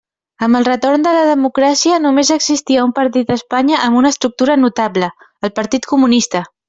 Amb el retorn de la democràcia, només existia un partit a Espanya amb una estructura notable: el Partit Comunista.